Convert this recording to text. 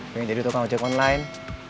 pengen jadi tukang ojek online